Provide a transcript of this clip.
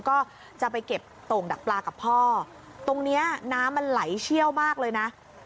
ก็จะไปเก็บโต่งดักปลากับพ่อตรงเนี้ยน้ำมันไหลเชี่ยวมากเลยนะ